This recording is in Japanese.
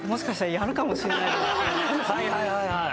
はいはいはいはい。